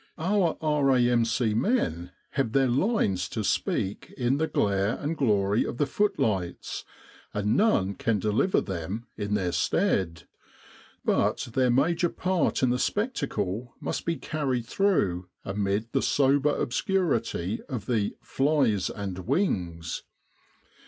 Our R.A.M.C. men have their lines to speak in the glare and glory of the footlights, and noiie can deliver them in their stead. But their major part in the spectacle must be carried through amid the sober obscurity of the " flies and wings."